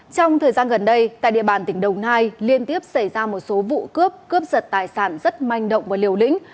trong thời gian gần đây tại địa bàn tỉnh đồng nai liên tiếp xảy ra một số vụ cướp cướp giật tài sản rất manh động và liều lĩnh